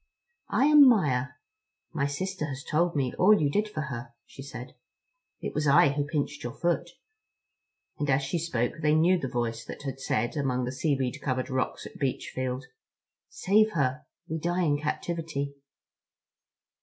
"I am Maia. My sister has told me all you did for her," she said; "it was I who pinched your foot," and as she spoke they knew the voice that had said, among the seaweed covered rocks at Beachfield: "Save her. We die in captivity."